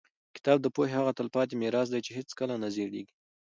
کتاب د پوهې هغه تلپاتې میراث دی چې هېڅکله نه زړېږي.